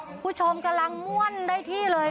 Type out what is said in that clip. คุณผู้ชมกำลังม่วนได้ที่เลย